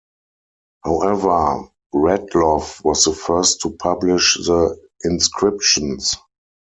However, Radloff was the first to publish the inscriptions.